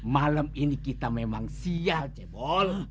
malam ini kita memang sial jebol